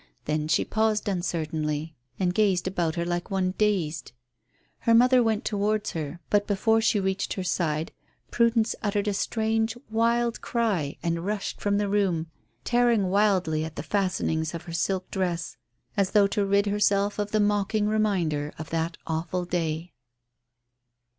Then she paused uncertainly and gazed about her like one dazed. Her mother went towards her, but before she reached her side Prudence uttered a strange, wild cry and rushed from the room, tearing wildly at the fastenings of her silk dress as though to rid herself of the mocking reminder of that awful day.